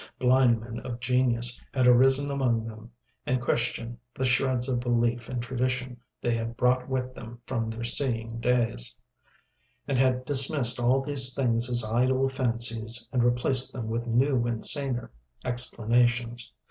Blind men of genius had arisen among them and questioned the shreds of belief and tradition they had brought with them from their seeing days, and had dismissed all these things as idle fancies and replaced them with new and saner explanations.